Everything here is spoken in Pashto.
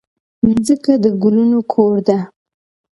مځکه د ګلونو کور ده.